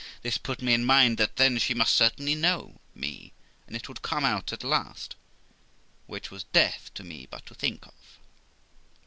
This put me in mind that then she must certainly know me, and it would come out at last; which was death to me but to think of.